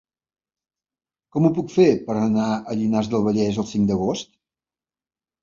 Com ho puc fer per anar a Llinars del Vallès el cinc d'agost?